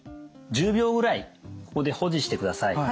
１０秒ぐらいここで保持してください。